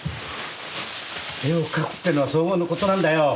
絵を描くってのは荘厳なことなんだよ！